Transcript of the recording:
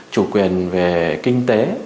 chủ quyền về kinh tế